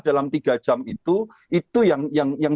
dalam tiga jam itu itu yang